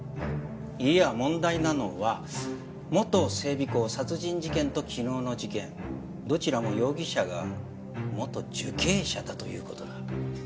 いいや問題なのは元整備工殺人事件と昨日の事件どちらも容疑者が元受刑者だという事だ。